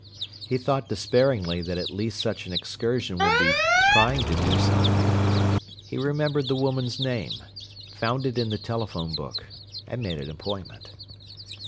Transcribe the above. He thought despairingly that at least such an excursion would be "trying to do something!" He remembered the woman's name; found it in the telephone book, and made an appointment.